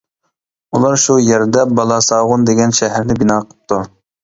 ئۇلار شۇ يەردە بالاساغۇن دېگەن شەھەرنى بىنا قىپتۇ.